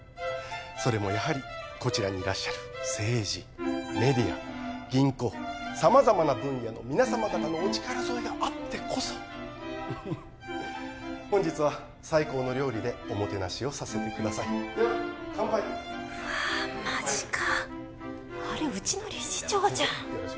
それもやはりこちらにいらっしゃる政治メディア銀行様々な分野の皆様方のお力添えがあってこそ本日は最高の料理でおもてなしをさせてくださいでは乾杯うわマジかあれうちの理事長じゃん